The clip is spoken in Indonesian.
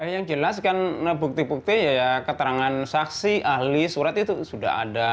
yang jelas kan bukti bukti ya keterangan saksi ahli surat itu sudah ada